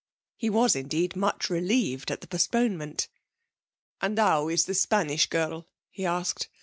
He was indeed much relieved at the postponement. 'And how is the Spanish girl?' he asked.